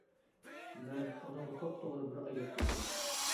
مەن ئۇنىڭغا توپتوغرا بىر ئاي گەپ قىلمىدىم.